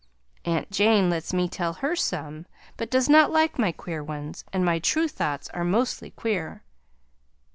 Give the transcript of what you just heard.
Aunt Jane lets me tell her some, but does not like my queer ones and my true thoughts are mostly queer.